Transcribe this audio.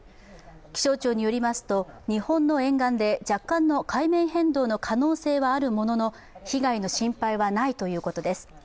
気象庁によりますと、日本の沿岸で若干の海面変動の可能性はあるものの、被害の心配はないということです。